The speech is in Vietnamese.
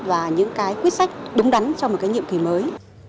và những cái quyết sách đúng đắn cho một cái nhiệm kỳ mới